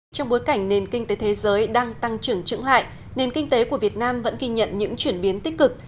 trong bối cảnh nền kinh tế thế giới đang tăng trưởng trưởng lại nền kinh tế của việt nam vẫn ghi nhận những chuyển biến tích cực